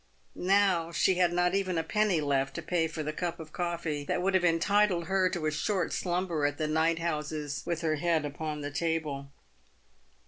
Now she had not even a penny left to pay for the cup of coffee that would have entitled her to a short slumber at the night houses with her head upon the table.